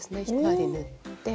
１針縫って。